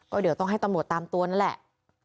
เดี๋ยวต้องให้ตำรวจตามตัวนั่นแหละ